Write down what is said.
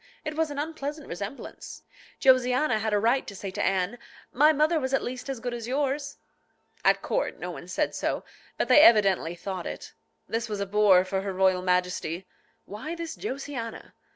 It was an unpleasant resemblance. Josiana had a right to say to Anne, "My mother was at least as good as yours." At court no one said so, but they evidently thought it. This was a bore for her royal Majesty. Why this Josiana?